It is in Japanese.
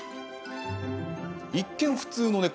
一見、普通の猫。